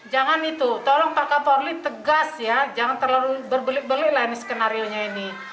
jangan itu tolong pak kapolri tegas ya jangan terlalu berbelit belit lah ini skenario nya ini